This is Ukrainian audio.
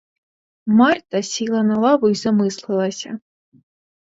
Марта сіла на лаву й замислилася.